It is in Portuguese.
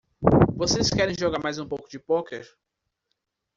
Vocês querem jogar mais um pouco de pôquer?